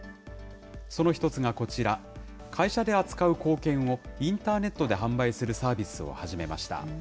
その一つがこちら、会社で扱う硬券をインターネットで販売するサービスを始めました。